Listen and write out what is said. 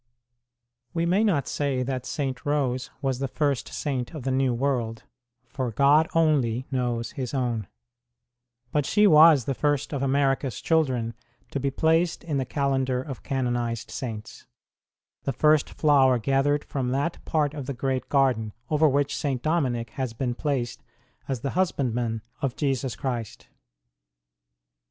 We may not say that St. Rose was the first saint of the New World, for God only knows His own ; but she was the first of America s children to be placed in the calendar of canonized saints the first flower gathered from that part of the great garden over which St. Dominic has been placed as the husbandman of Jesus Christ.